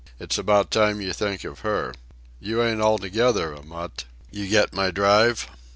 It's about time you think of her. You ain't altogether a mutt. You get my drive?"